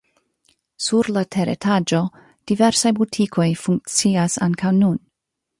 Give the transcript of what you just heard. Sur la teretaĝo diversaj butikoj funkcias ankaŭ nun.